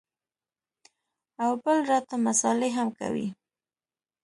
او بل راته مسالې هم کوې.